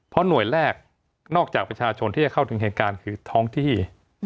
เพราะหน่วยแรกนอกจากประชาชนที่จะเข้าถึงเหตุการณ์คือท้องที่